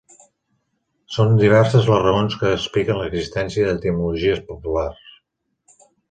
Són diverses les raons que expliquen l'existència d'etimologies populars.